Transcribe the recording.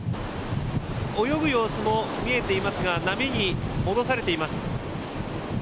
泳ぐ様子も見えていますが波に戻されています。